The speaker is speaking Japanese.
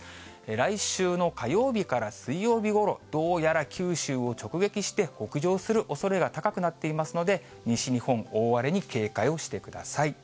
来週の火曜日から水曜日ごろ、どうやら九州を直撃して北上するおそれが高くなっていますので、西日本、大荒れに警戒をしてください。